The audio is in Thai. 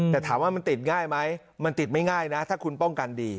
แต่ถามว่ามันติดง่ายไหมมันติดไม่ง่ายนะถ้าคุณป้องกันดี